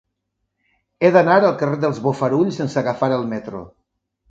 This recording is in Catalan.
He d'anar al carrer dels Bofarull sense agafar el metro.